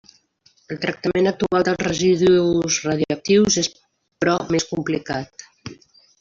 El tractament actual dels residus radioactius és però més complicat.